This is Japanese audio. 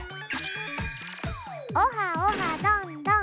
オハオハどんどん！